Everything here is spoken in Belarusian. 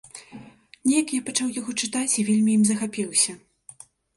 Неяк я пачаў яго чытаць і вельмі ім захапіўся.